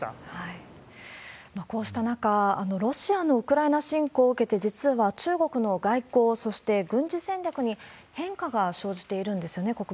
こうした中、ロシアのウクライナ侵攻を受けて、実は、中国の外交、そして軍事戦略に変化が生じているんですよね？